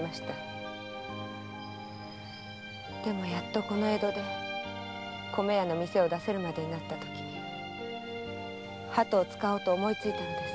でもやっとこの江戸で米屋の店を出せるまでになったときハトを使おうと思いついたのです。